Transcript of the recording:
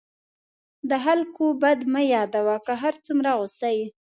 د خلکو بد مه یادوه، که هر څومره غصه یې.